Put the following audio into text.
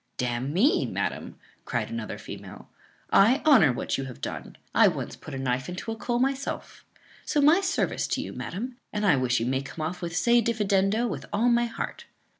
"D n me, madam!" cried another female, "I honour what you have done. I once put a knife into a cull myself so my service to you, madam, and I wish you may come off with se diffidendo with all my heart."